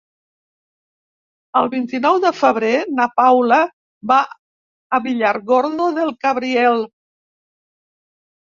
El vint-i-nou de febrer na Paula va a Villargordo del Cabriel.